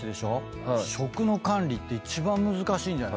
食の管理って一番難しいんじゃないですか？